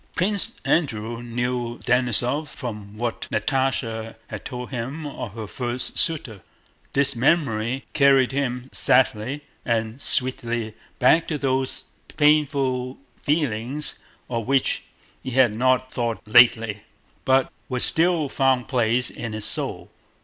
Prince Andrew knew Denísov from what Natásha had told him of her first suitor. This memory carried him sadly and sweetly back to those painful feelings of which he had not thought lately, but which still found place in his soul.